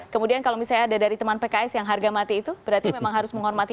kemudian kalau misalnya ada dari teman pks yang harga mati itu berarti memang harus menghormati